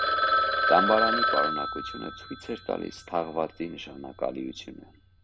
Դամբարանի պարունակությունը ցույց էր տալիս թաղվածի նշանակալիությունը։